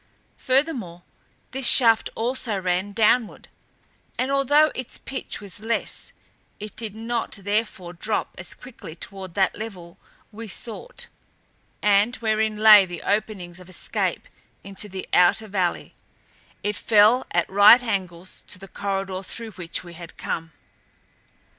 Furthermore, this shaft also ran downward, and although its pitch was less and it did not therefore drop as quickly toward that level we sought and wherein lay the openings of escape into the outer valley, it fell at right angles to the corridor through which we had come.